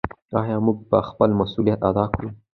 آیا موږ به خپل مسوولیت ادا کړو؟